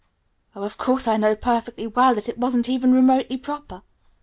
"Oh, of course I know perfectly well that it wasn't even remotely proper!